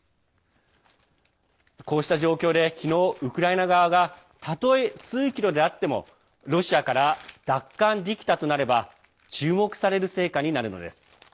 こうした状況で昨日、ウクライナ側がたとえ数キロであってもロシアから奪還できたとなれば注目される成果になるのです。